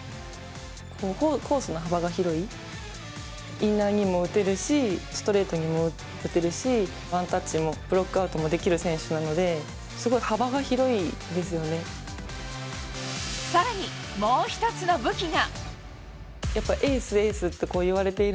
インナーにも打てるしストレートにも打てるしワンタッチもブロックアウトもできる選手なので更に、もう１つの武器が。